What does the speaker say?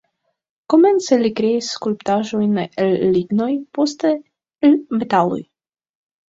Komence li kreis skulptaĵojn el lignoj, poste el metaloj.